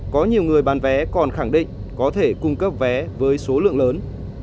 có nhiều người bán vé còn khẳng định có thể cung cấp vé với số lượng lớn